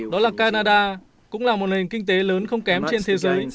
đó là canada cũng là một nền kinh tế lớn không kém trên thế giới